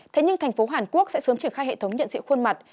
thế nhưng thành phố hàn quốc sẽ sớm triển khai hệ thống nhận diện khuôn mặt